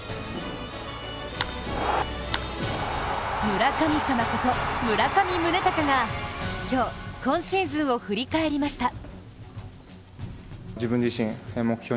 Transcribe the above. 村神様こと村上宗隆が今日、今シーズンを振り返りました。